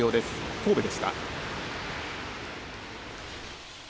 神戸でした。